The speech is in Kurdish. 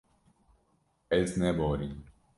Ez neborîm.